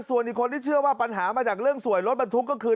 ส่วนอีกคนที่เชื่อว่าปัญหามาจากเรื่องสวยรถบรรทุกก็คือ